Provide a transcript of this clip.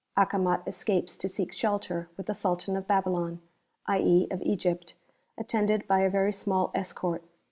Acomat escapes to seek shelter with the Sultan of Babylon, i.e., of Egypt, attended by a very small escort.